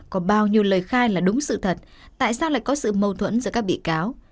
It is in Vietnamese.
có bao nhiêu lời khai là đúng sự thật tại sao lại có sự mâu thuẫn giữa các bị cáo